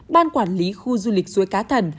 ban quản lý khu du lịch suối cá thần